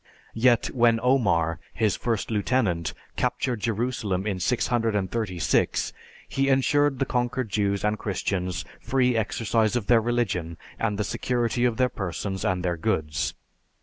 Yet, when Omar, his first lieutenant, captured Jerusalem in 636, he ensured the conquered Jews and Christians free exercise of their religion, and the security of their persons and their goods.